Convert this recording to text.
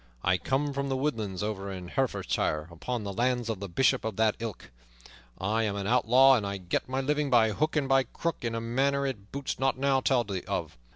I come from the woodlands over in Herefordshire, upon the lands of the Bishop of that ilk. I am an outlaw, and get my living by hook and by crook in a manner it boots not now to tell of.